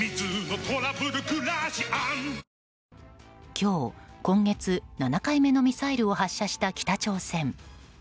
今日、今月７回目のミサイルを発射した北朝鮮。